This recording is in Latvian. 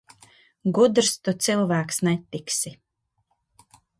Gudrs tu cilvēks netiksi.